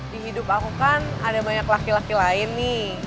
di hidup aku kan ada banyak laki laki lain nih